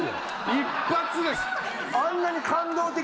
一発です。